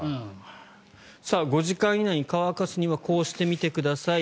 ５時間以内に乾かすためにはこうしてみてください。